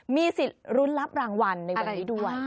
มีสิทธิ์ลุ้นรับรางวัลในวันนี้ด้วย